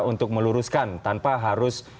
untuk meluruskan tanpa harus